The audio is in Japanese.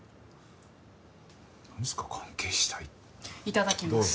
いただきます。